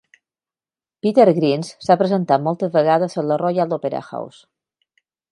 "Peter Grimes" s'ha presentat moltes vegades a la Royal Opera House.